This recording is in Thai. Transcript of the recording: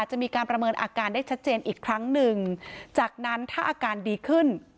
จะมีการประเมินอาการได้ชัดเจนอีกครั้งหนึ่งจากนั้นถ้าอาการดีขึ้น